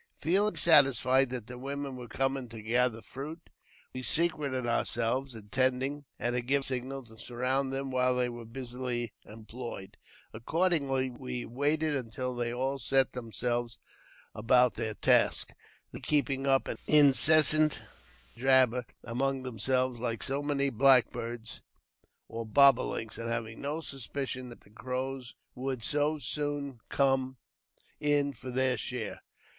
Feeling satisfied that the women wei coming to gather fruit, we secreted ourselves, intending, at a given signal, to surround them while they were busily employed. Accordingly, we waited until they all set thei)|l selves about their task, they keeping up an incessant jabbet among themselves like so many blackbirds or bob o links, and^ having no suspicion that the Crows would so soon come in fc their share.